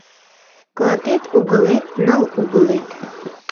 Клатет угылет — ныл угылет